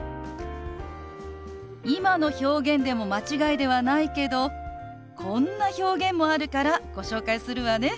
今の表現でも間違いではないけどこんな表現もあるからご紹介するわね。